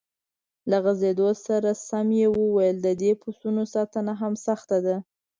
له غځېدو سره سم یې وویل: د دې پسونو ساتنه هم سخته ده.